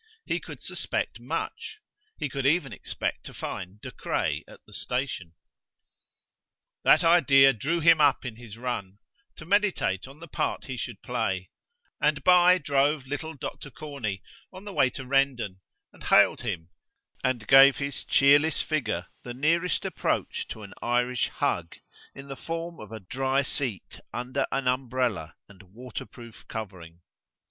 He could suspect much: he could even expect to find De Craye at the station. That idea drew him up in his run, to meditate on the part he should play; and by drove little Dr. Corney on the way to Rendon and hailed him, and gave his cheerless figure the nearest approach to an Irish bug in the form of a dry seat under an umbrella and water proof covering.